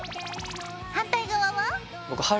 反対側は？